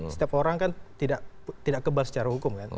setiap orang kan tidak kebal secara hukum kan